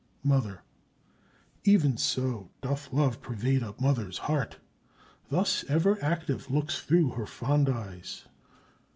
Mother. Even so doth love pervade a mother's heart; Thus, ever active, looks through her fond eyes.